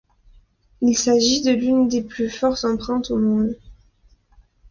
Il s'agit de l'une des plus fortes empreintes au monde.